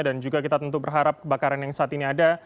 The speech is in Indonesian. dan juga kita tentu berharap kebakaran yang saat ini ada